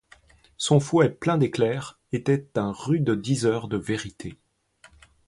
Son fouet plein d’éclairs était un rude diseur de vérités.